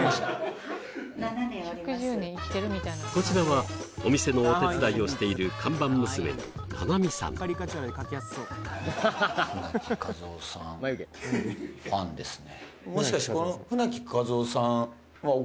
こちらはお店のお手伝いをしている看板娘のはいですよね